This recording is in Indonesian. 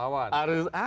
harus terus melawan